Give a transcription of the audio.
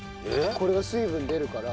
これが水分出るから。